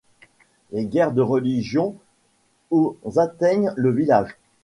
Les guerres de religion au atteignent le village.